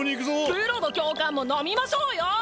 ブロド教官も飲みましょうよ